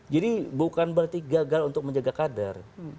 jadi bukan berarti gagal untuk menjaga kader